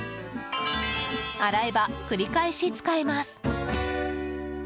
洗えば、繰り返し使えます。